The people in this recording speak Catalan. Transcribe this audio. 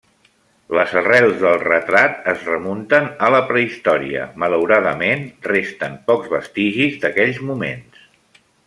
Les arrels del retrat es remunten a la prehistòria, malauradament resten pocs vestigis d'aquells moments.